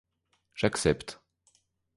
J'accepte.